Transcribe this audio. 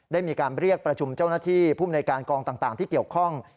ได้มีการเรียกประชุมเจ้าหน้าที่ภูมิในการกองต่างที่เกี่ยวข้อง